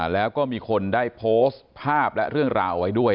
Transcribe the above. แล้วก็มีคนได้โพสต์ภาพและเรื่องราวเอาไว้ด้วย